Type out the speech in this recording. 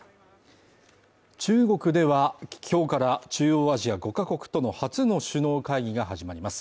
中国では今日から中央アジア５か国との初の首脳会議が始まります